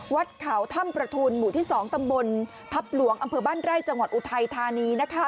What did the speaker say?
วัดเขาถ้ำประทุนหมู่ที่๒ตำบลทัพหลวงอำเภอบ้านไร่จังหวัดอุทัยธานี